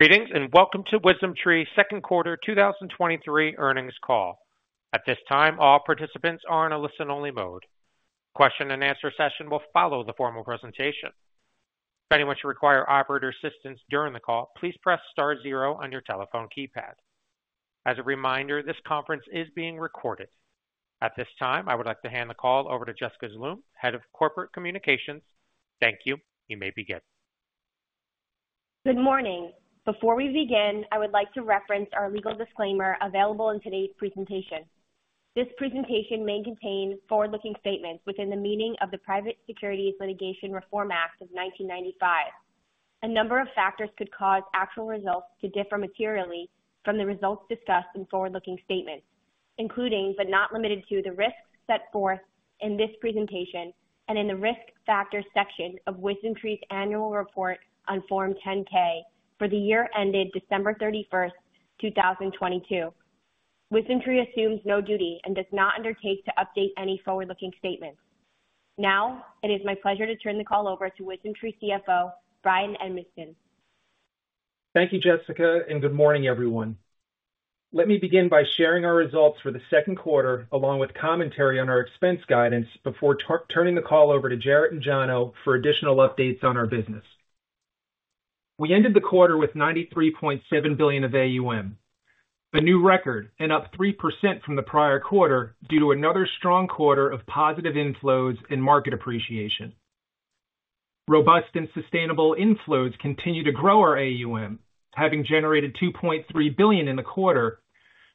Greetings, welcome to WisdomTree second quarter 2023 earnings call. At this time, all participants are in a listen-only mode. Question and answer session will follow the formal presentation. If anyone should require operator assistance during the call, please press star zero on your telephone keypad. As a reminder, this conference is being recorded. At this time, I would like to hand the call over to Jessica Zaloom, Head of Corporate Communications. Thank you. You may begin. Good morning. Before we begin, I would like to reference our legal disclaimer available in today's presentation. This presentation may contain forward-looking statements within the meaning of the Private Securities Litigation Reform Act of 1995. A number of factors could cause actual results to differ materially from the results discussed in forward-looking statements, including, but not limited to, the risks set forth in this presentation and in the Risk Factors section of WisdomTree's annual report on Form 10-K for the year ended December 31st, 2022. WisdomTree assumes no duty and does not undertake to update any forward-looking statements. Now, it is my pleasure to turn the call over to WisdomTree CFO, Bryan Edmiston. Thank you, Jessica, good morning, everyone. Let me begin by sharing our results for the second quarter, along with commentary on our expense guidance before turning the call over to Jarrett and Jono for additional updates on our business. We ended the quarter with $93.7 billion of AUM, a new record and up 3% from the prior quarter due to another strong quarter of positive inflows and market appreciation. Robust and sustainable inflows continue to grow our AUM, having generated $2.3 billion in the quarter,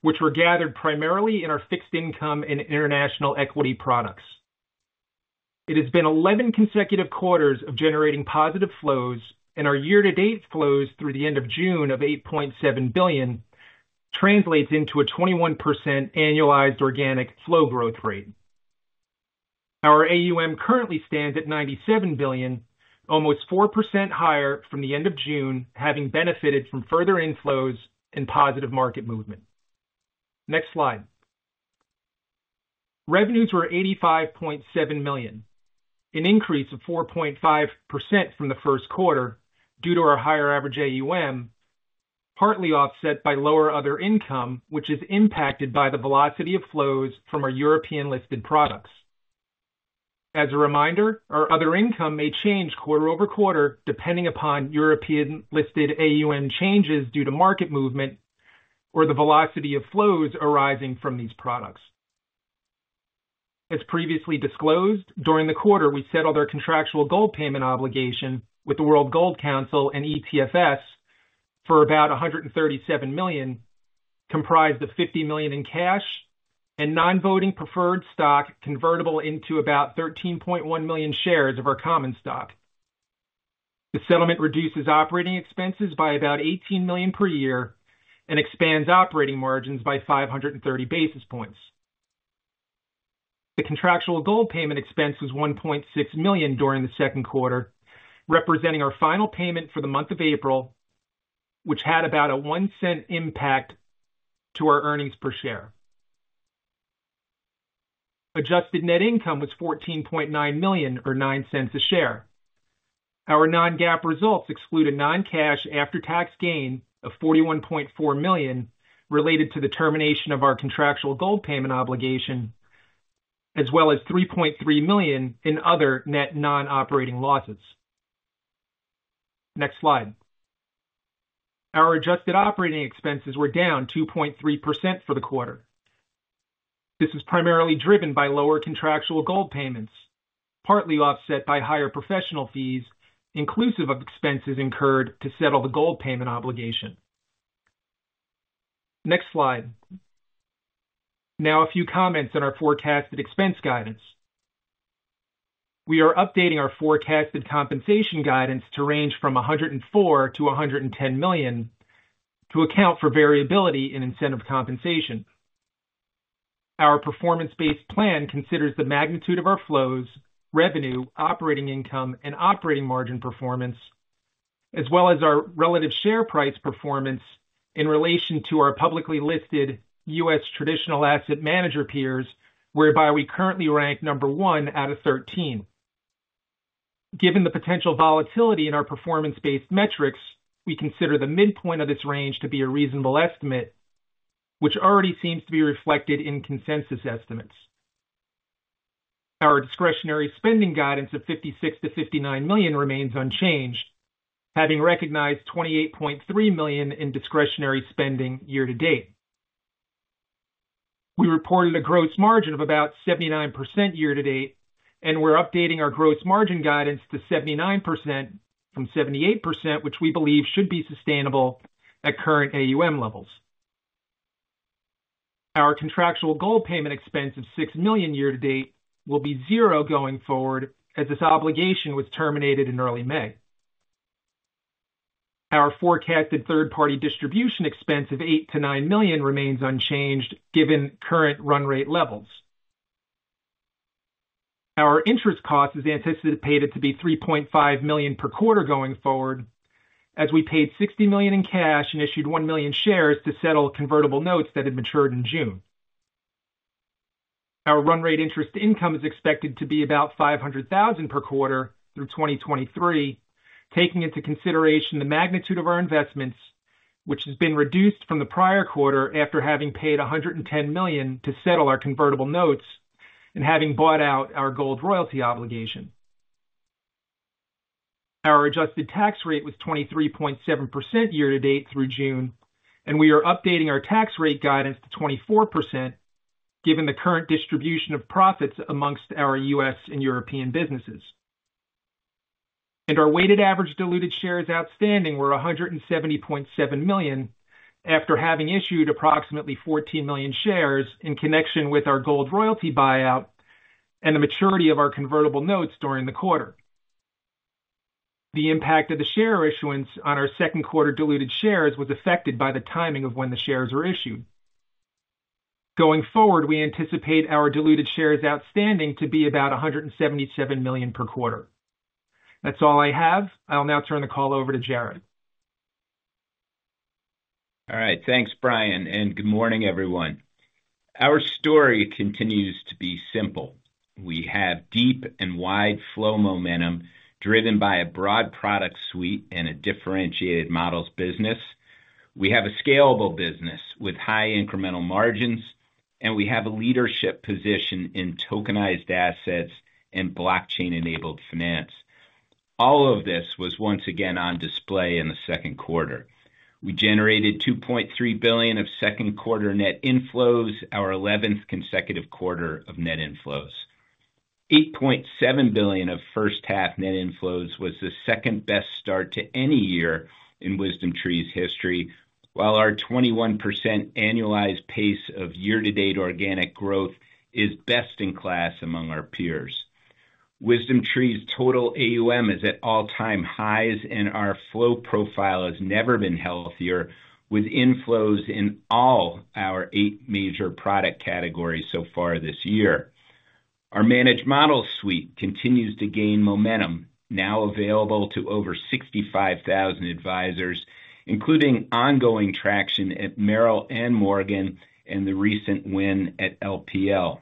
which were gathered primarily in our fixed income and international equity products. It has been 11 consecutive quarters of generating positive flows. Our year-to-date flows through the end of June of $8.7 billion translates into a 21% annualized organic flow growth rate. Our AUM currently stands at $97 billion, almost 4% higher from the end of June, having benefited from further inflows and positive market movement. Next slide. Revenues were $85.7 million, an increase of 4.5% from the first quarter due to our higher average AUM, partly offset by lower other income, which is impacted by the velocity of flows from our European-listed products. As a reminder, our other income may change quarter-over-quarter, depending upon European-listed AUM changes due to market movement or the velocity of flows arising from these products. As previously disclosed, during the quarter, we settled our contractual gold payment obligation with the World Gold Council and ETFS for about $137 million, comprised of $50 million in cash and non-voting preferred stock, convertible into about 13.1 million shares of our common stock. The settlement reduces operating expenses by about $18 million per year and expands operating margins by 530 basis points. The contractual gold payment expense was $1.6 million during the second quarter, representing our final payment for the month of April, which had about a $0.01 impact to our earnings per share. Adjusted net income was $14.9 million or $0.09 a share. Our non-GAAP results exclude a non-cash after-tax gain of $41.4 million related to the termination of our contractual gold payment obligation, as well as $3.3 million in other net non-operating losses. Next slide. Our adjusted operating expenses were down 2.3% for the quarter. This was primarily driven by lower contractual gold payments, partly offset by higher professional fees, inclusive of expenses incurred to settle the gold payment obligation. Next slide. A few comments on our forecasted expense guidance. We are updating our forecasted compensation guidance to range from $104 million to $110 million to account for variability in incentive compensation. Our performance-based plan considers the magnitude of our flows, revenue, operating income, and operating margin performance, as well as our relative share price performance in relation to our publicly listed U.S. traditional asset manager peers, whereby we currently rank number 1 out of 13. Given the potential volatility in our performance-based metrics, we consider the midpoint of this range to be a reasonable estimate, which already seems to be reflected in consensus estimates. Our discretionary spending guidance of $56 million-$59 million remains unchanged, having recognized $28.3 million in discretionary spending year to date. We reported a gross margin of about 79% year to date. We're updating our gross margin guidance to 79% from 78%, which we believe should be sustainable at current AUM levels. Our contractual gold payment expense of $6 million year to date will be 0 going forward, as this obligation was terminated in early May. Our forecasted third-party distribution expense of $8 million-$9 million remains unchanged, given current run rate levels. Our interest cost is anticipated to be $3.5 million per quarter going forward, as we paid $60 million in cash and issued 1 million shares to settle convertible notes that had matured in June. Our run rate interest income is expected to be about $500,000 per quarter through 2023, taking into consideration the magnitude of our investments, which has been reduced from the prior quarter after having paid $110 million to settle our convertible notes and having bought out our gold royalty obligation. Our adjusted tax rate was 23.7% year to date through June, we are updating our tax rate guidance to 24%, given the current distribution of profits amongst our U.S. and European businesses. Our weighted average diluted shares outstanding were 170.7 million after having issued approximately 14 million shares in connection with our gold royalty buyout and the maturity of our convertible notes during the quarter. The impact of the share issuance on our second quarter diluted shares was affected by the timing of when the shares were issued. Going forward, we anticipate our diluted shares outstanding to be about 177 million per quarter. That's all I have. I'll now turn the call over to Jarrett. All right, thanks, Bryan. Good morning, everyone. Our story continues to be simple. We have deep and wide flow momentum driven by a broad product suite and a differentiated models business. We have a scalable business with high incremental margins, and we have a leadership position in tokenized assets and blockchain-enabled finance. All of this was once again on display in the second quarter. We generated $2.3 billion of second quarter net inflows, our 11th consecutive quarter of net inflows. $8.7 billion of first half net inflows was the second best start to any year in WisdomTree's history, while our 21% annualized pace of year-to-date organic growth is best in class among our peers. WisdomTree's total AUM is at all-time highs, and our flow profile has never been healthier, with inflows in all our 8 major product categories so far this year. Our managed model suite continues to gain momentum, now available to over 65,000 advisors, including ongoing traction at Merrill and Morgan and the recent win at LPL.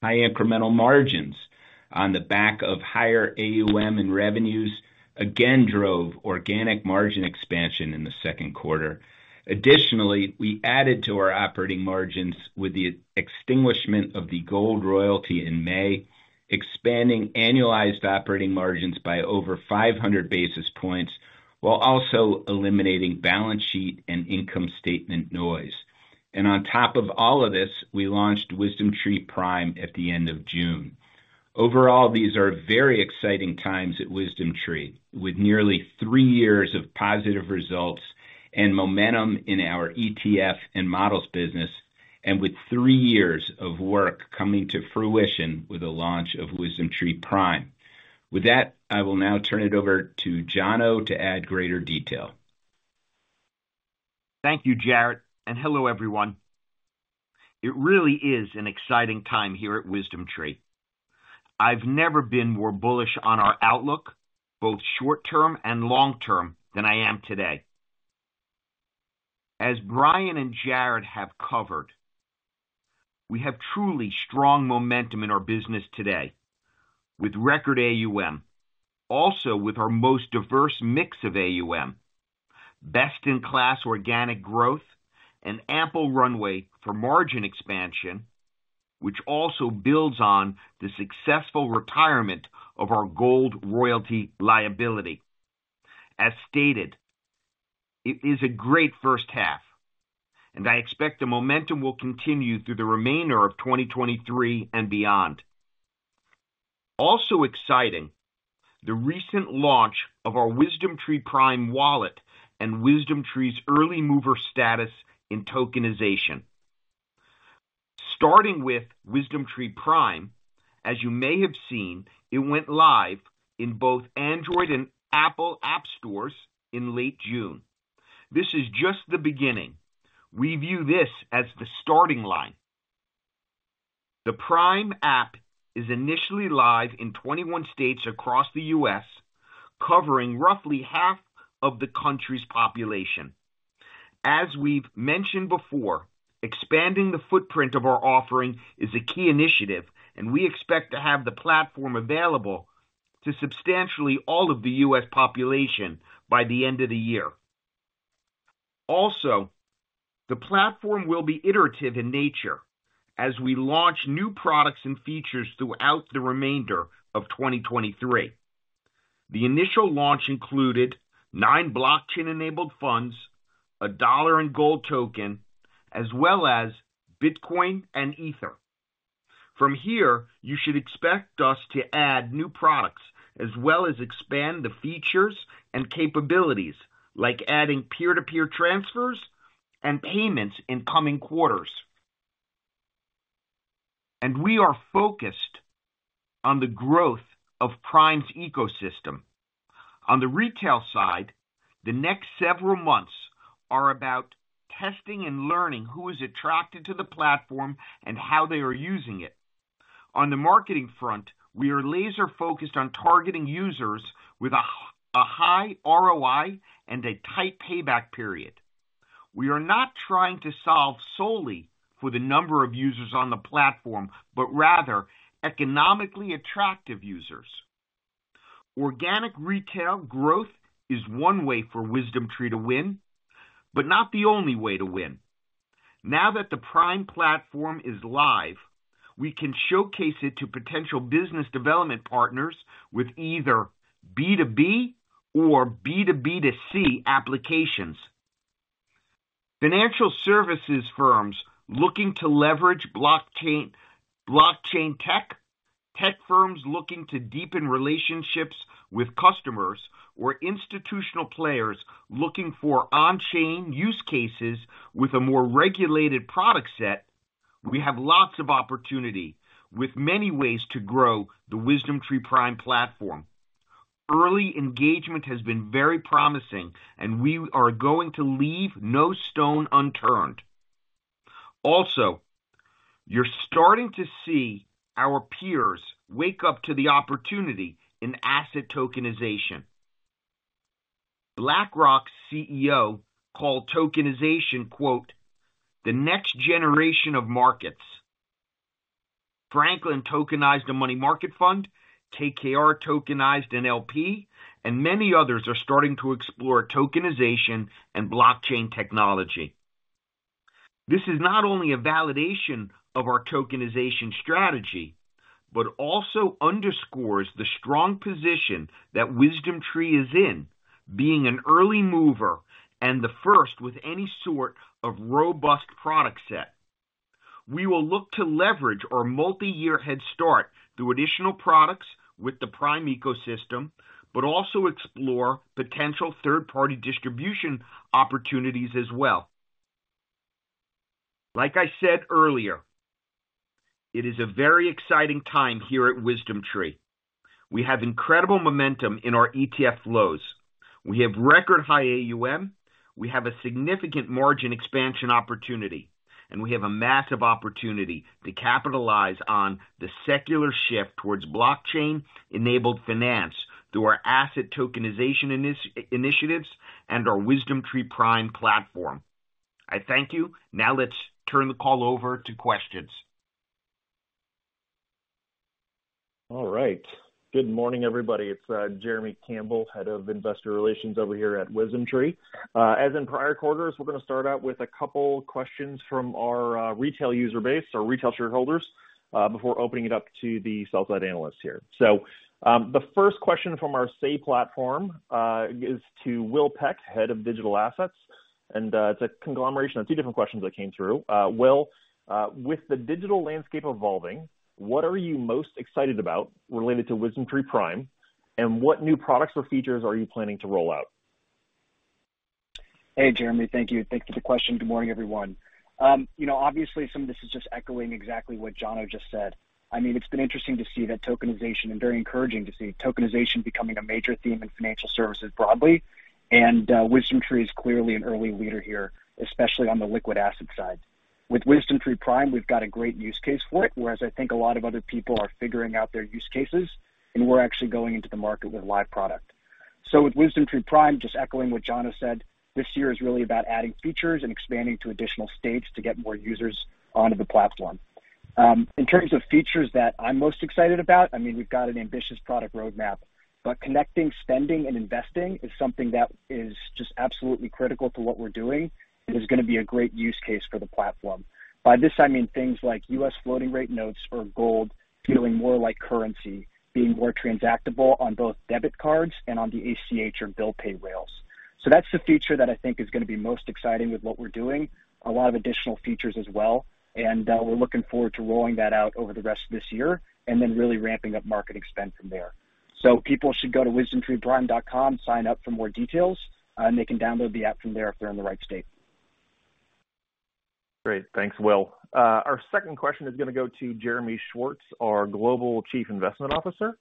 High incremental margins on the back of higher AUM and revenues again drove organic margin expansion in the second quarter. Additionally, we added to our operating margins with the extinguishment of the gold royalty in May, expanding annualized operating margins by over 500 basis points, while also eliminating balance sheet and income statement noise. On top of all of this, we launched WisdomTree Prime at the end of June. Overall, these are very exciting times at WisdomTree, with nearly three years of positive results and momentum in our ETF and models business, and with three years of work coming to fruition with the launch of WisdomTree Prime. With that, I will now turn it over to Jono to add greater detail. Thank you, Jared, and hello, everyone. It really is an exciting time here at WisdomTree. I've never been more bullish on our outlook, both short term and long term, than I am today. As Brian and Jared have covered, we have truly strong momentum in our business today with record AUM, also with our most diverse mix of AUM, best-in-class organic growth and ample runway for margin expansion, which also builds on the successful retirement of our gold royalty liability. As stated, it is a great first half. I expect the momentum will continue through the remainder of 2023 and beyond. Exciting, the recent launch of our WisdomTree Prime Wallet and WisdomTree's early mover status in tokenization. Starting with WisdomTree Prime, as you may have seen, it went live in both Android and Apple app stores in late June. This is just the beginning. We view this as the starting line. The Prime app is initially live in 21 states across the U.S., covering roughly half of the country's population. As we've mentioned before, expanding the footprint of our offering is a key initiative, and we expect to have the platform available to substantially all of the U.S. population by the end of the year. Also, the platform will be iterative in nature as we launch new products and features throughout the remainder of 2023. The initial launch included 9 blockchain-enabled funds, a dollar in gold token, as well as Bitcoin and Ether. From here, you should expect us to add new products as well as expand the features and capabilities, like adding peer-to-peer transfers and payments in coming quarters. We are focused on the growth of Prime's ecosystem. On the retail side, the next several months are about testing and learning who is attracted to the platform and how they are using it. On the marketing front, we are laser focused on targeting users with a high ROI and a tight payback period. We are not trying to solve solely for the number of users on the platform, but rather economically attractive users. Organic retail growth is one way for WisdomTree to win, but not the only way to win. Now that the Prime platform is live, we can showcase it to potential business development partners with either B2B or B2B2C applications. Financial services firms looking to leverage blockchain, blockchain tech, tech firms looking to deepen relationships with customers, or institutional players looking for on-chain use cases with a more regulated product set, we have lots of opportunity, with many ways to grow the WisdomTree Prime platform. Early engagement has been very promising, and we are going to leave no stone unturned. Also, you're starting to see our peers wake up to the opportunity in asset tokenization. BlackRock's CEO called tokenization, quote, "The next generation of markets." Franklin tokenized a money market fund, KKR tokenized an LP, and many others are starting to explore tokenization and blockchain technology. This is not only a validation of our tokenization strategy, but also underscores the strong position that WisdomTree is in, being an early mover and the first with any sort of robust product set. We will look to leverage our multi-year head start through additional products with the Prime ecosystem, but also explore potential third-party distribution opportunities as well. Like I said earlier, it is a very exciting time here at WisdomTree. We have incredible momentum in our ETF flows. We have record high AUM, we have a significant margin expansion opportunity, and we have a massive opportunity to capitalize on the secular shift towards blockchain-enabled finance through our asset tokenization initiatives and our WisdomTree Prime platform. I thank you. Now let's turn the call over to questions. All right. Good morning, everybody. It's Jeremy Campbell, Head of Investor Relations over here at WisdomTree. As in prior quarters, we're gonna start out with a couple questions from our retail user base, our retail shareholders, before opening it up to the sell-side analysts here. The first question from our SAY platform is to Will Peck, Head of Digital Assets. It's a conglomeration of two different questions that came through. Will, with the digital landscape evolving, what are you most excited about related to WisdomTree Prime, and what new products or features are you planning to roll out? Hey, Jeremy, thank you. Thank you for the question. Good morning, everyone. You know, obviously, some of this is just echoing exactly what Jono just said. I mean, it's been interesting to see that tokenization, and very encouraging to see tokenization becoming a major theme in financial services broadly. WisdomTree is clearly an early leader here, especially on the liquid asset side. With WisdomTree Prime, we've got a great use case for it, whereas I think a lot of other people are figuring out their use cases, and we're actually going into the market with a live product. With WisdomTree Prime, just echoing what Jono said, this year is really about adding features and expanding to additional states to get more users onto the platform. In terms of features that I'm most excited about, I mean, we've got an ambitious product roadmap, but connecting, spending, and investing is something that is just absolutely critical to what we're doing. It is gonna be a great use case for the platform. By this, I mean things like U.S. floating rate notes or gold feeling more like currency, being more transactable on both debit cards and on the ACH or bill pay rails. That's the feature that I think is gonna be most exciting with what we're doing, a lot of additional features as well, and we're looking forward to rolling that out over the rest of this year and then really ramping up market spend from there. People should go to wisdomtreeprime.com, sign up for more details, and they can download the app from there if they're in the right state. Great. Thanks, Will. Our second question is gonna go to Jeremy Schwartz, our Global Chief Investment Officer.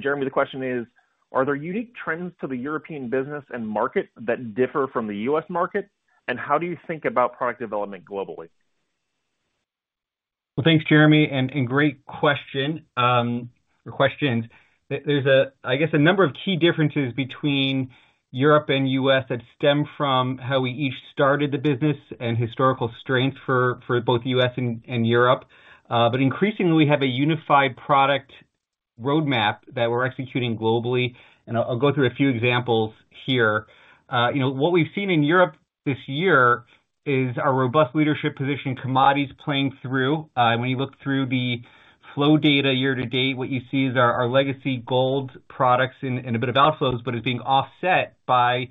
Jeremy, the question is: Are there unique trends to the European business and market that differ from the U.S. market, and how do you think about product development globally? Well, thanks, Jeremy, and great question or questions. There's a, I guess, a number of key differences between Europe and U.S. that stem from how we each started the business and historical strength for both U.S. and Europe. Increasingly, we have a unified product roadmap that we're executing globally, and I'll go through a few examples here. You know, what we've seen in Europe this year is our robust leadership position, commodities playing through. When you look through the flow data year to date, what you see is our legacy gold products and a bit of outflows, but it's being offset by,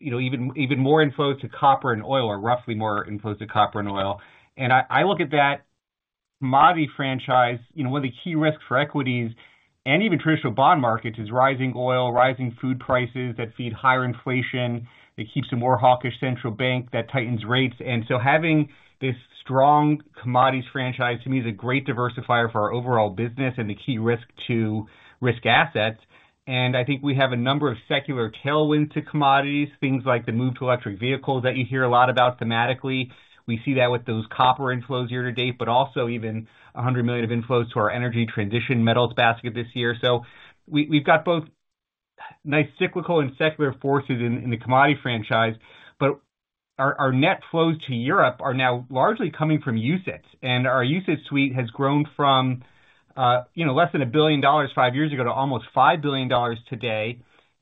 you know, even more inflows to copper and oil, or roughly more inflows to copper and oil. I, I look at that commodity franchise, you know, one of the key risks for equities and even traditional bond markets is rising oil, rising food prices that feed higher inflation, that keeps a more hawkish central bank, that tightens rates. Having this strong commodities franchise, to me, is a great diversifier for our overall business and the key risk to risk assets. I think we have a number of secular tailwinds to commodities, things like the move to electric vehicles that you hear a lot about thematically. We see that with those copper inflows year to date, but also even $100 million of inflows to our energy transition metals basket this year. We, we've got nice cyclical and secular forces in, in the commodity franchise, but our, our net flows to Europe are now largely coming from UCITS. Our UCITS suite has grown from, you know, less than $1 billion 5 years ago to almost $5 billion today.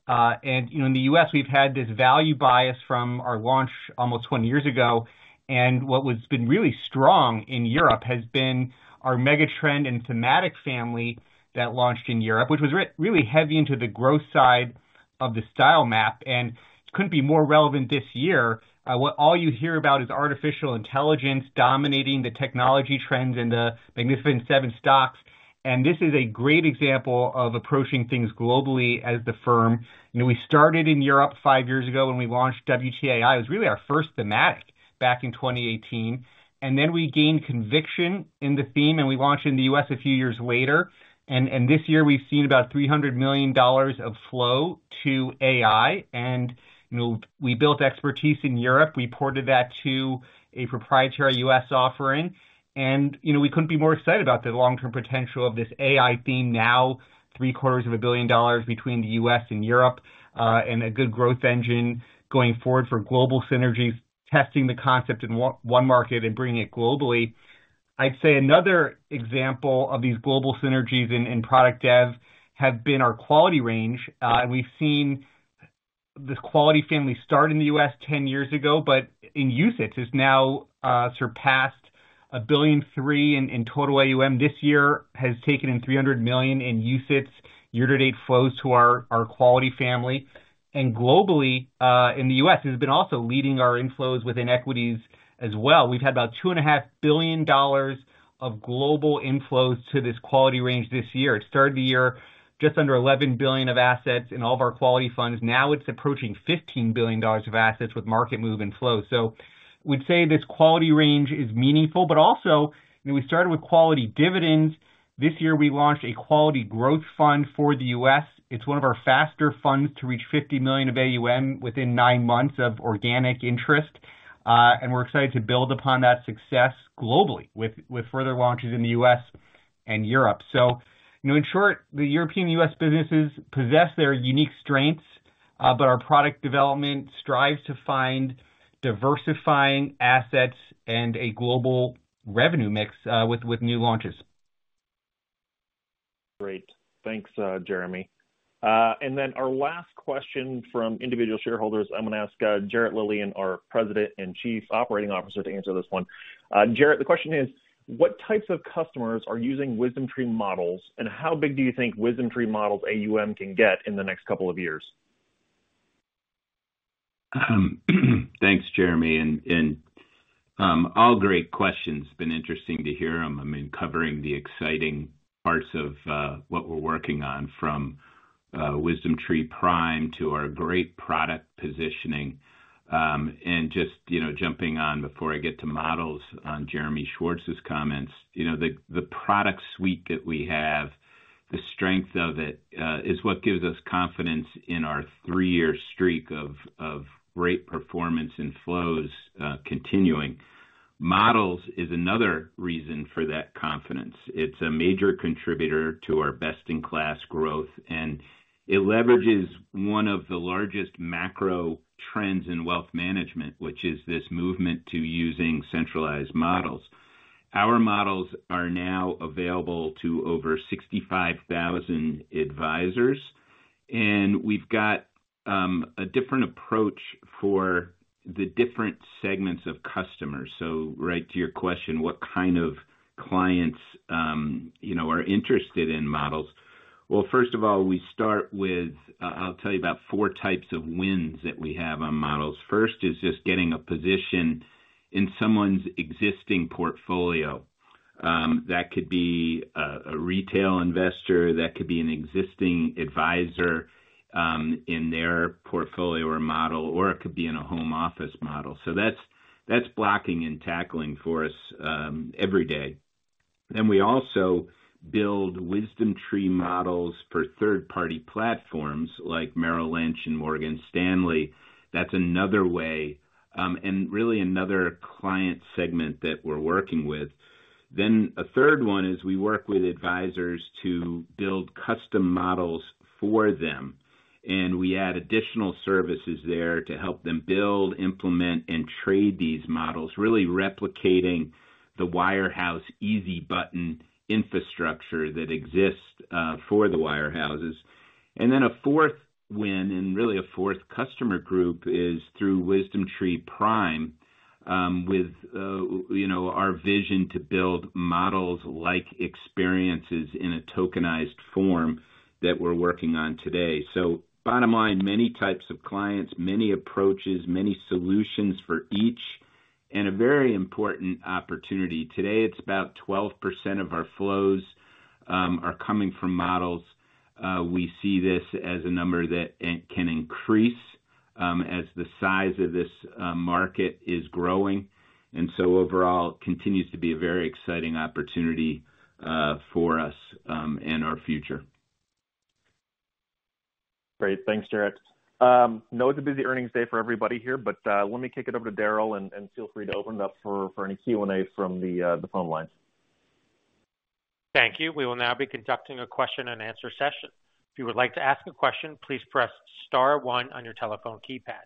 You know, in the U.S., we've had this value bias from our launch almost 20 years ago, and what has been really strong in Europe has been our mega trend and thematic family that launched in Europe, which was really heavy into the growth side of the style map, and couldn't be more relevant this year. What all you hear about is artificial intelligence dominating the technology trends and the Magnificent Seven stocks. This is a great example of approaching things globally as the firm. You know, we started in Europe 5 years ago when we launched WTAI. It was really our first thematic back in 2018, and then we gained conviction in the theme, and we launched in the U.S. a few years later. This year we've seen about $300 million of flow to AI, and, you know, we built expertise in Europe. We ported that to a proprietary U.S. offering, and, you know, we couldn't be more excited about the long-term potential of this AI theme, now $750 million between the U.S. and Europe, and a good growth engine going forward for global synergies, testing the concept in 1 market and bringing it globally. I'd say another example of these global synergies in, in product dev have been our quality range. We've seen this quality family start in the U.S. 10 years ago. In UCITS, it's now surpassed $1.3 billion in total AUM. This year has taken in $300 million in UCITS, year-to-date flows to our quality family. Globally, in the U.S., it has been also leading our inflows within equities as well. We've had about $2.5 billion of global inflows to this quality range this year. It started the year just under $11 billion of assets in all of our quality funds. Now it's approaching $15 billion of assets with market move and flow. We'd say this quality range is meaningful, but also, you know, we started with quality dividends. This year, we launched a quality growth fund for the U.S. It's one of our faster funds to reach $50 million of AUM within nine months of organic interest, and we're excited to build upon that success globally with, with further launches in the U.S. and Europe. You know, in short, the European U.S. businesses possess their unique strengths, but our product development strives to find diversifying assets and a global revenue mix, with, with new launches. Great. Thanks, Jeremy. And then our last question from individual shareholders, I'm going to ask Jarrett Lilien, our president and chief operating officer, to answer this one. Jarrett, the question is: What types of customers are using WisdomTree models, and how big do you think WisdomTree models AUM can get in the next couple of years? Thanks, Jeremy, and all great questions. It's been interesting to hear them. I mean, covering the exciting parts of what we're working on from WisdomTree Prime to our great product positioning. Just, you know, jumping on before I get to models, on Jeremy Schwartz's comments. You know, the product suite that we have, the strength of it, is what gives us confidence in our three-year streak of great performance and flows continuing. Models is another reason for that confidence. It's a major contributor to our best-in-class growth, and it leverages one of the largest macro trends in wealth management, which is this movement to using centralized models. Our models are now available to over 65,000 advisors, and we've got a different approach for the different segments of customers. Right to your question, what kind of clients, you know, are interested in models? First of all, we start with, I'll tell you about 4 types of wins that we have on models. First is just getting a position in someone's existing portfolio. That could be a retail investor, that could be an existing advisor, in their portfolio or model, or it could be in a home office model. That's, that's blocking and tackling for us every day. We also build WisdomTree models for third-party platforms like Merrill Lynch and Morgan Stanley. That's another way, and really another client segment that we're working with. A third one is we work with advisors to build custom models for them, and we add additional services there to help them build, implement, and trade these models, really replicating the wirehouse easy button infrastructure that exists for the wirehouses. A fourth win, and really a fourth customer group, is through WisdomTree Prime, with, you know, our vision to build models like experiences in a tokenized form that we're working on today. Bottom line, many types of clients, many approaches, many solutions for each, and a very important opportunity. Today, it's about 12% of our flows are coming from models. We see this as a number that can increase as the size of this market is growing, and overall, continues to be a very exciting opportunity for us and our future. Great. Thanks, Jarrett. know it's a busy earnings day for everybody here. Let me kick it over to Daryl, and, and feel free to open it up for, for any Q&A from the, the phone lines. Thank you. We will now be conducting a question-and-answer session. If you would like to ask a question, please press star one on your telephone keypad.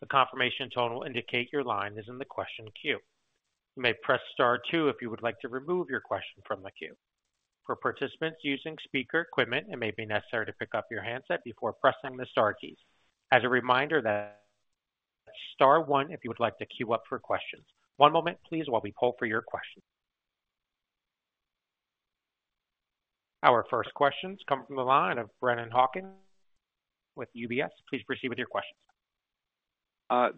A confirmation tone will indicate your line is in the question queue. You may press star two if you would like to remove your question from the queue. For participants using speaker equipment, it may be necessary to pick up your handset before pressing the star keys. As a reminder, that star one, if you would like to queue up for questions. One moment, please, while we poll for your questions. Our first questions come from the line of Brennan Hawkins with UBS. Please proceed with your questions.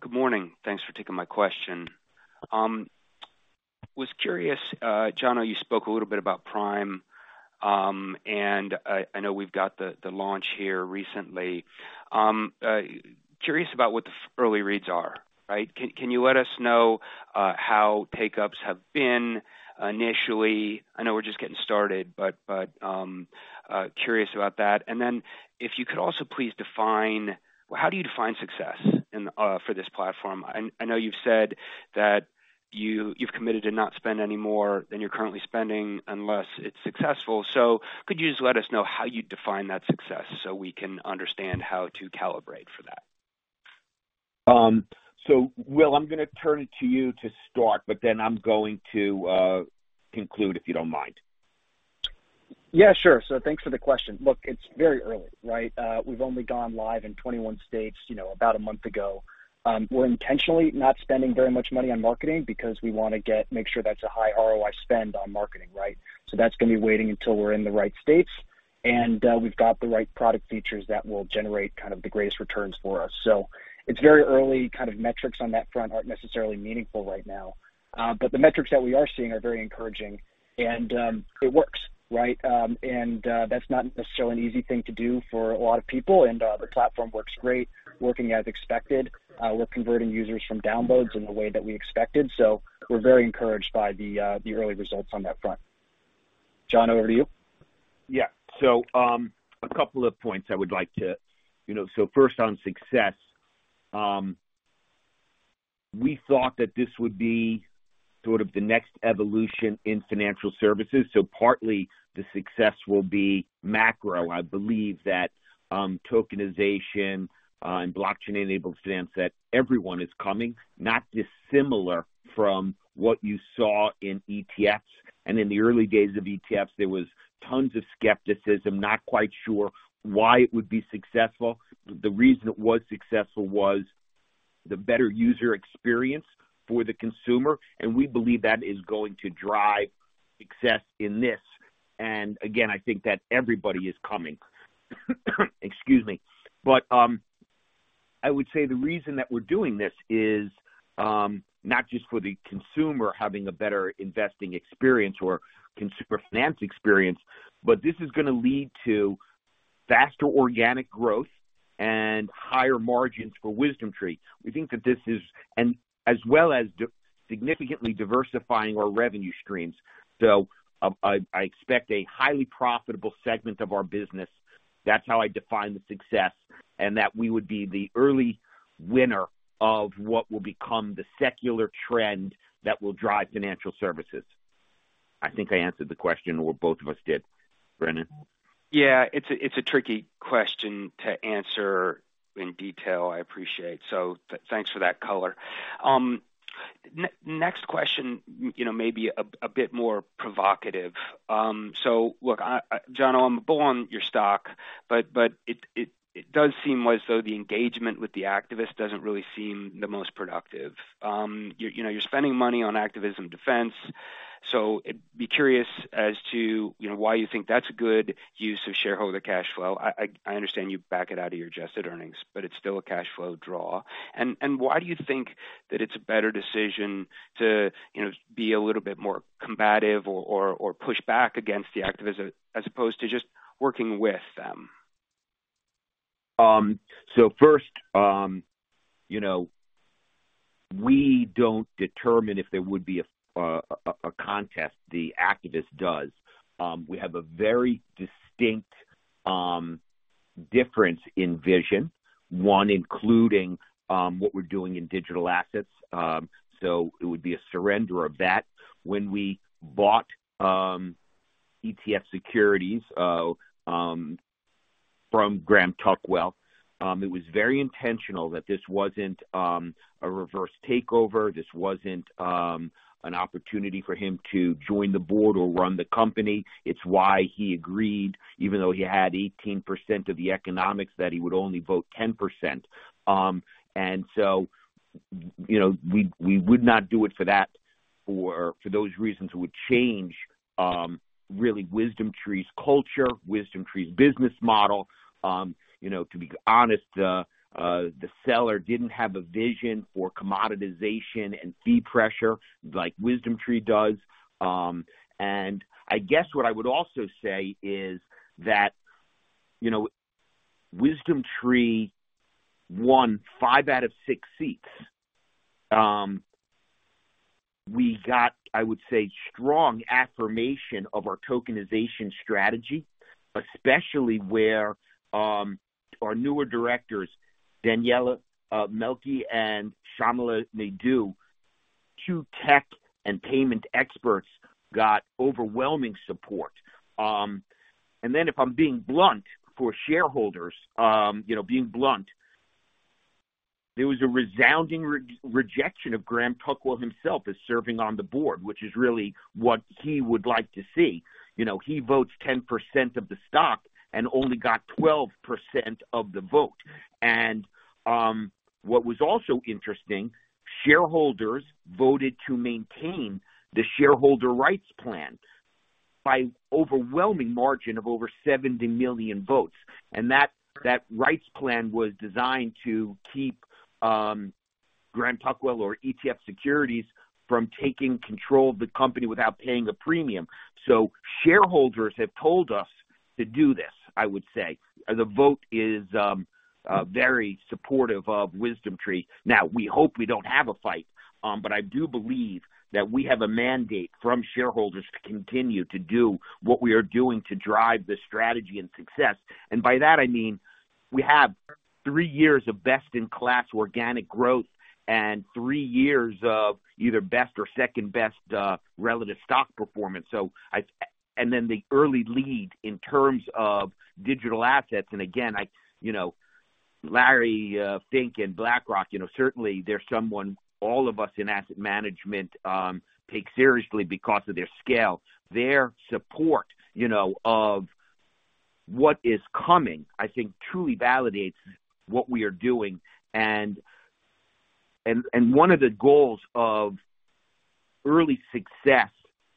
Good morning. Thanks for taking my question. Was curious, John, I know you spoke a little bit about Prime, and I know we've got the launch here recently. Curious about what the early reads are, right? Can you let us know how take-ups have been initially? I know we're just getting started, but, but, curious about that. If you could also please define... Well, how do you define success in for this platform? I know you've said that you, you've committed to not spend any more than you're currently spending unless it's successful. Could you just let us know how you define that success so we can understand how to calibrate for that? Will, I'm going to turn it to you to start, but then I'm going to conclude, if you don't mind. Yeah, sure. Thanks for the question. Look, it's very early, right? We've only gone live in 21 states, you know, about a month ago. We're intentionally not spending very much money on marketing because we want to make sure that's a high ROI spend on marketing, right? That's going to be waiting until we're in the right states, and we've got the right product features that will generate kind of the greatest returns for us. It's very early. Kind of metrics on that front aren't necessarily meaningful right now, but the metrics that we are seeing are very encouraging. It works, right? That's not necessarily an easy thing to do for a lot of people, and the platform works great, working as expected. We're converting users from downloads in the way that we expected, so we're very encouraged by the early results on that front. John, over to you. Yeah. A couple of points I would like to, you know. First on success, we thought that this would be sort of the next evolution in financial services. Partly the success will be macro. I believe that tokenization and blockchain-enabled assets, everyone is coming, not dissimilar from what you saw in ETFs. In the early days of ETFs, there was tons of skepticism, not quite sure why it would be successful. The reason it was successful was the better user experience for the consumer, and we believe that is going to drive success in this. Again, I think that everybody is coming. Excuse me. I would say the reason that we're doing this is not just for the consumer having a better investing experience or consumer finance experience, but this is going to lead to faster organic growth and higher margins for WisdomTree. We think that this is... as well as significantly diversifying our revenue streams. I, I expect a highly profitable segment of our business. That's how I define the success, and that we would be the early winner of what will become the secular trend that will drive financial services. I think I answered the question, or both of us did. Brennan? Yeah, it's a tricky question to answer in detail. I appreciate. Thanks for that color. Next question, you know, maybe a bit more provocative. Look, John, I'm bull on your stock, but it does seem as though the engagement with the activist doesn't really seem the most productive. You know, you're spending money on activism defense, so I'd be curious as to, you know, why you think that's a good use of shareholder cash flow. I understand you back it out of your adjusted earnings, but it's still a cash flow draw. Why do you think that it's a better decision to, you know, be a little bit more combative or push back against the activism as opposed to just working with them? First, you know, we don't determine if there would be a contest, the activist does. We have a very distinct difference in vision, one, including what we're doing in digital assets. It would be a surrender of that. When we bought ETF Securities from Graham Tuckwell, it was very intentional that this wasn't a reverse takeover. This wasn't an opportunity for him to join the board or run the company. It's why he agreed, even though he had 18% of the economics, that he would only vote 10%. You know, we would not do it for that, for those reasons, it would change, really, WisdomTree's culture, WisdomTree's business model. You know, to be honest, the seller didn't have a vision for commoditization and fee pressure like WisdomTree does. I guess what I would also say is that, you know, WisdomTree won 5 out of 6 seats. We got, I would say, strong affirmation of our tokenization strategy, especially where our newer directors- Daniela Melki and Shyamala Naidoo, two tech and payment experts, got overwhelming support. If I'm being blunt for shareholders, you know, being blunt, there was a resounding re-rejection of Graham Tuckwell himself as serving on the board, which is really what he would like to see. You know, he votes 10% of the stock and only got 12% of the vote. What was also interesting, shareholders voted to maintain the shareholder rights plan by overwhelming margin of over 70 million votes. That, that rights plan was designed to keep Graham Tuckwell or ETF Securities from taking control of the company without paying the premium. Shareholders have told us to do this, I would say. The vote is very supportive of WisdomTree. Now, we hope we don't have a fight, but I do believe that we have a mandate from shareholders to continue to do what we are doing to drive the strategy and success. By that I mean, we have three years of best-in-class organic growth and three years of either best or second best relative stock performance. Then the early lead in terms of digital assets. You know, Larry Fink in BlackRock, you know, certainly they're someone all of us in asset management take seriously because of their scale. Their support, you know, of what is coming, I think, truly validates what we are doing. One of the goals of early success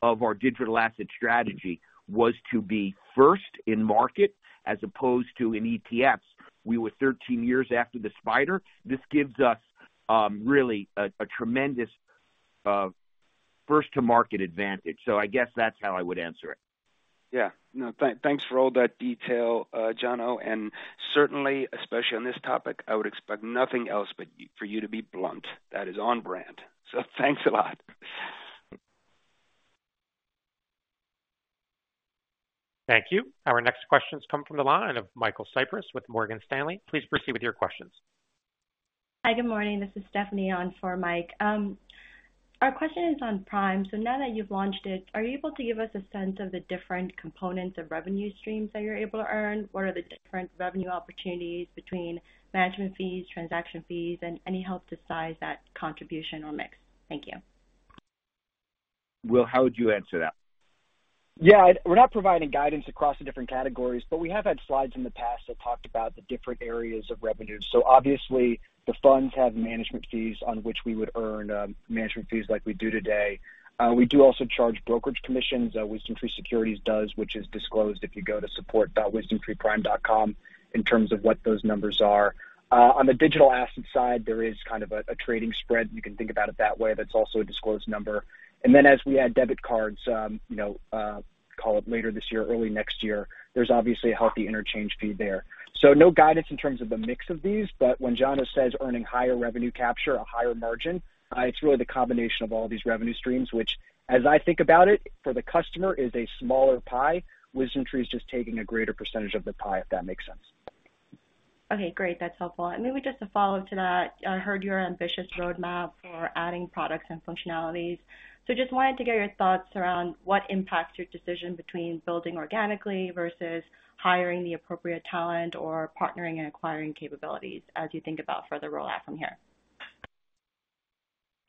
of our digital asset strategy was to be first in market, as opposed to in ETFs. We were 13 years after the SPDR. This gives us really a tremendous first-to-market advantage. I guess that's how I would answer it. Yeah. No, thanks for all that detail, Jono, and certainly, especially on this topic, I would expect nothing else but for you to be blunt. That is on brand. Thanks a lot. Thank you. Our next question comes from the line of Michael Cyprys with Morgan Stanley. Please proceed with your questions. Hi, good morning. This is Stephanie Ma on for Mike Brown. Our question is on Prime. Now that you've launched it, are you able to give us a sense of the different components of revenue streams that you're able to earn? What are the different revenue opportunities between management fees, transaction fees, and any help to size that contribution or mix? Thank you. Will, how would you answer that? We're not providing guidance across the different categories, but we have had slides in the past that talked about the different areas of revenue. Obviously, the funds have management fees on which we would earn management fees like we do today. We do also charge brokerage commissions, WisdomTree Securities does, which is disclosed if you go to support.wisdomtreeprime.com, in terms of what those numbers are. On the digital asset side, there is kind of a trading spread. You can think about it that way. That's also a disclosed number. As we add debit cards, you know, call it later this year, early next year, there's obviously a healthy interchange fee there. No guidance in terms of the mix of these, but when Jono says earning higher revenue capture, a higher margin, it's really the combination of all these revenue streams, which, as I think about it, for the customer, is a smaller pie. WisdomTree is just taking a greater percentage of the pie, if that makes sense. Okay, great. That's helpful. Maybe just a follow-up to that, I heard your ambitious roadmap for adding products and functionalities. Just wanted to get your thoughts around what impacts your decision between building organically versus hiring the appropriate talent or partnering and acquiring capabilities as you think about further rollout from here?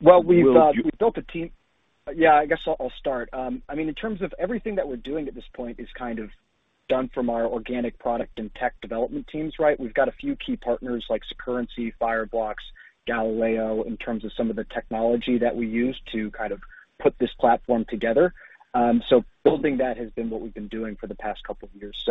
Well, we've, we've built a team. Yeah, I guess I'll, I'll start. I mean, in terms of everything that we're doing at this point is kind of done from our organic product and tech development teams, right? We've got a few key partners like Securrency, Fireblocks, Galileo, in terms of some of the technology that we use to kind of put this platform together. Building that has been what we've been doing for the past couple of years.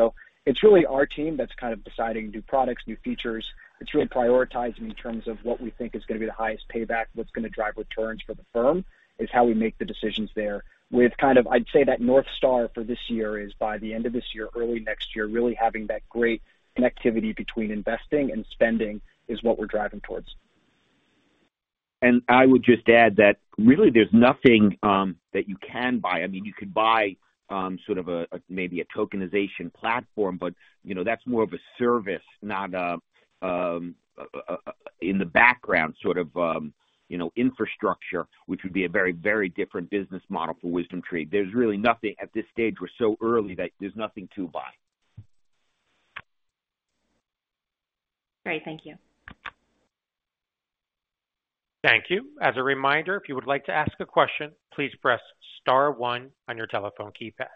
It's really our team that's kind of deciding new products, new features. It's really prioritizing in terms of what we think is going to be the highest payback, what's going to drive returns for the firm, is how we make the decisions there. We've kind of... I'd say that North Star for this year is by the end of this year, early next year, really having that great connectivity between investing and spending is what we're driving towards. I would just add that really there's nothing that you can buy. I mean, you could buy sort of a, a maybe a tokenization platform, but, you know, that's more of a service, not a, a, a in the background sort of, you know, infrastructure, which would be a very, very different business model for WisdomTree. There's really nothing at this stage, we're so early, that there's nothing to buy. Great. Thank you. Thank you. As a reminder, if you would like to ask a question, please press star one on your telephone keypad.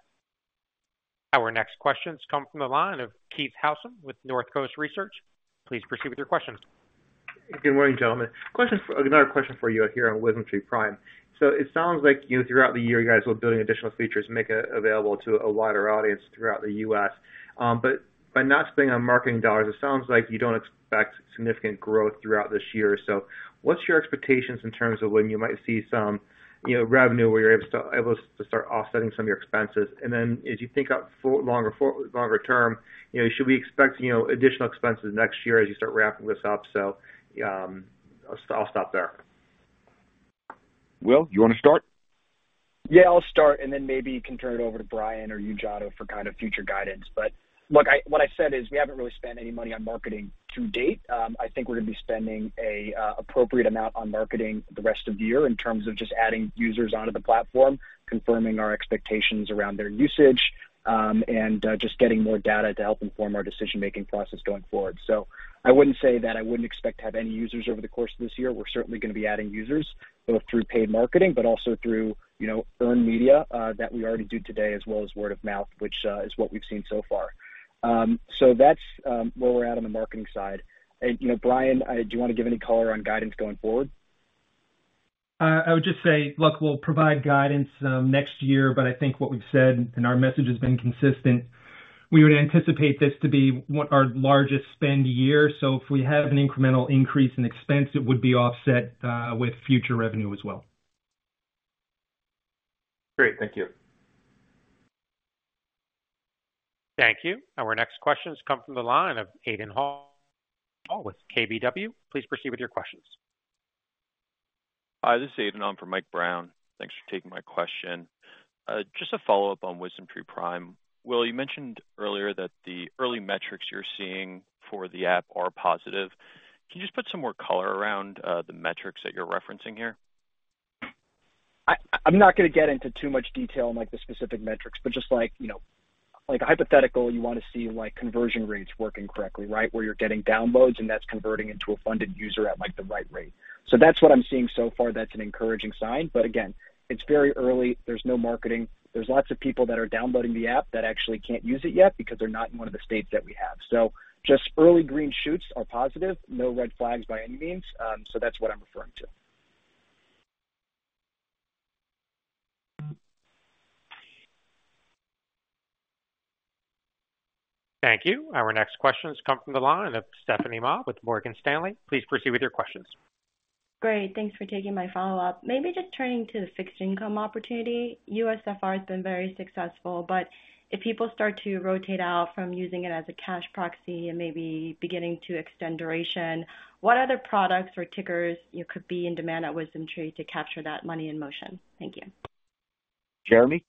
Our next question comes from the line of Keith Howson with North Coast Research. Please proceed with your question. Good morning, gentlemen. Question for another question for you here on WisdomTree Prime. It sounds like, you know, throughout the year, you guys will be building additional features and make it available to a wider audience throughout the U.S. By not spending on marketing $, it sounds like you don't expect significant growth throughout this year. What's your expectations in terms of when you might see some, you know, revenue where you're able to, able to start offsetting some of your expenses? As you think out for longer, for longer term, you know, should we expect, you know, additional expenses next year as you start ramping this up? I'll, I'll stop there. Will, you want to start? Yeah, I'll start, and then maybe you can turn it over to Brian or Ujado for kind of future guidance. What I said is we haven't really spent any money on marketing to date. I think we're going to be spending a appropriate amount on marketing the rest of the year in terms of just adding users onto the platform, confirming our expectations around their usage, and just getting more data to help inform our decision-making process going forward. I wouldn't say that I wouldn't expect to have any users over the course of this year. We're certainly going to be adding users, both through paid marketing but also through, you know, earned media that we already do today, as well as word of mouth, which is what we've seen so far. That's where we're at on the marketing side. You know, Bryan, do you want to give any color on guidance going forward? I would just say, look, we'll provide guidance next year, but I think what we've said, and our message has been consistent, we would anticipate this to be our largest spend year. If we have an incremental increase in expense, it would be offset with future revenue as well. Great. Thank you. Thank you. Our next question has come from the line of Aidan Hall with KBW. Please proceed with your questions. Hi, this is Aidan. I'm from Mike Brown. Thanks for taking my question. Just a follow-up on WisdomTree Prime. Will, you mentioned earlier that the early metrics you're seeing for the app are positive. Can you just put some more color around the metrics that you're referencing here? I'm not going to get into too much detail on, like, the specific metrics, but just like, you know, like a hypothetical, you want to see, like, conversion rates working correctly, right? Where you're getting downloads, and that's converting into a funded user at, like, the right rate. That's what I'm seeing so far. That's an encouraging sign. Again, it's very early. There's no marketing. There's lots of people that are downloading the app that actually can't use it yet because they're not in one of the states that we have. Just early green shoots are positive. No red flags by any means, so that's what I'm referring to. Thank you. Our next question has come from the line of Stephanie Ma with Morgan Stanley. Please proceed with your questions. Great, thanks for taking my follow-up. Maybe just turning to the fixed income opportunity. USFR has been very successful, but if people start to rotate out from using it as a cash proxy and maybe beginning to extend duration, what other products or tickers, you know, could be in demand at WisdomTree to capture that money in motion? Thank you. Jeremy?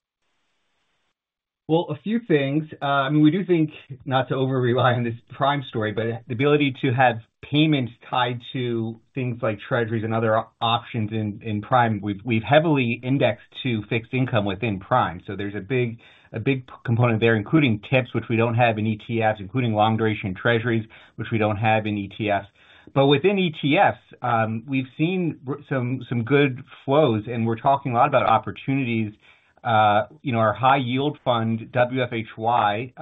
Well, a few things. I mean, we do think, not to over rely on this Prime story, but the ability to have payments tied to things like treasuries and other options in, in Prime, we've, we've heavily indexed to fixed income within Prime, so there's a big, a big component there, including tips, which we don't have in ETFs, including long duration treasuries, which we don't have in ETFs. Within ETFs, we've seen some good flows, and we're talking a lot about opportunities. You know, our high yield fund, WHY,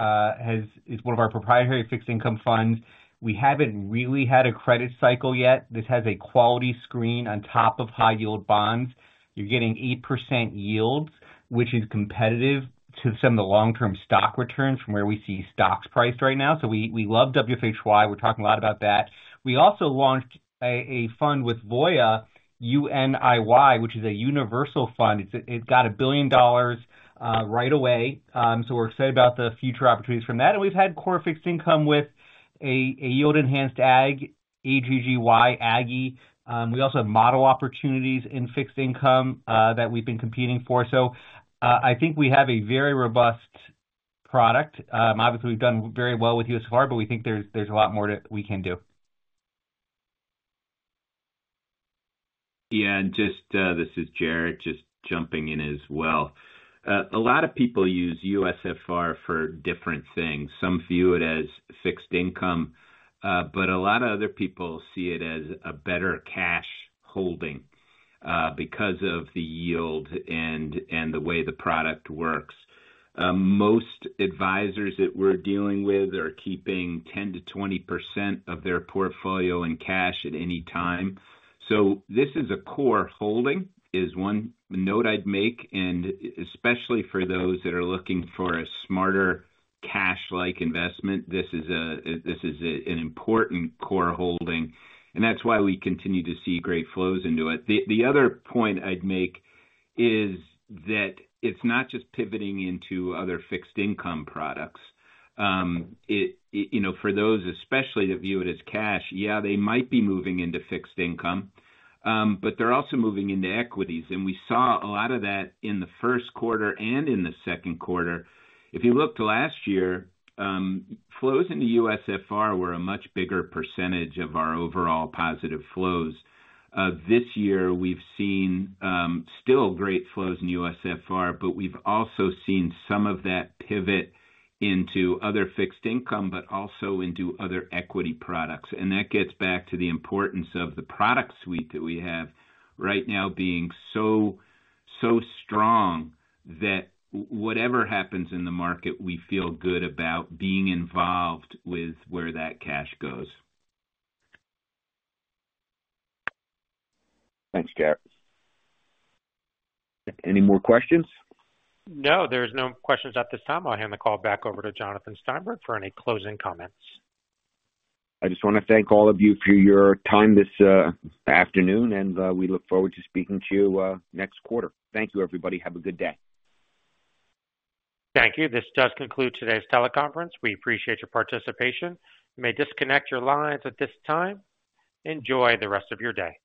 is one of our proprietary fixed income funds. We haven't really had a credit cycle yet. This has a quality screen on top of high yield bonds. You're getting 8% yields, which is competitive to some of the long-term stock returns from where we see stocks priced right now. We, we love WFHY. We're talking a lot about that. We also launched a, a fund with Voya, UNIY, which is a universal fund. It got $1 billion right away. We're excited about the future opportunities from that. We've had core fixed income with a, a yield enhanced ag, AGGY, aggie. We also have model opportunities in fixed income that we've been competing for. I think we have a very robust product. Obviously, we've done very well with USFR, but we think there's a lot more to... we can do. Yeah, and just, this is Jarrett, just jumping in as well. A lot of people use USFR for different things. Some view it as fixed income, but a lot of other people see it as a better cash holding, because of the yield and the way the product works. Most advisors that we're dealing with are keeping 10% to 20% of their portfolio in cash at any time. This is a core holding, is one note I'd make, and especially for those that are looking for a smarter cash-like investment, this is a, this is a, an important core holding, and that's why we continue to see great flows into it. The other point I'd make is that it's not just pivoting into other fixed income products. It, you know, for those especially, that view it as cash, yeah, they might be moving into fixed income, but they're also moving into equities, and we saw a lot of that in the first quarter and in the second quarter. If you look to last year, flows into USFR were a much bigger % of our overall positive flows. This year we've seen, still great flows in USFR, but we've also seen some of that pivot into other fixed income, but also into other equity products. That gets back to the importance of the product suite that we have right now being so, so strong, that whatever happens in the market, we feel good about being involved with where that cash goes. Thanks, Jarrett. Any more questions? No, there's no questions at this time. I'll hand the call back over to Jonathan Steinberg for any closing comments. I just want to thank all of you for your time this afternoon, and we look forward to speaking to you next quarter. Thank you, everybody. Have a good day. Thank you. This does conclude today's teleconference. We appreciate your participation. You may disconnect your lines at this time. Enjoy the rest of your day.